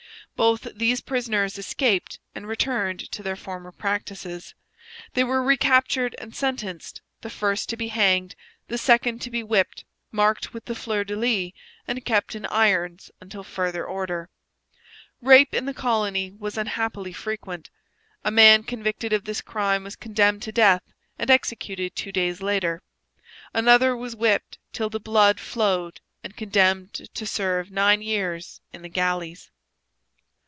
Both these prisoners escaped and returned to their former practices. They were recaptured and sentenced, the first to be hanged, the second to be whipped, marked with the fleur de lis, and kept in irons until further order. Rape in the colony was unhappily frequent. A man convicted of this crime was condemned to death and executed two days later. Another was whipped till the blood flowed and condemned to serve nine years in the galleys.